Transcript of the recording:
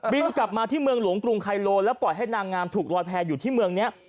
บินกลับมาที่เมืองหลวงกรุงไคโลแล้วปล่อยให้นางงามถูกลอยแพรอยู่ที่เมืองนี้